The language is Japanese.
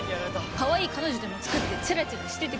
かわいい彼女でも作ってチャラチャラしててください。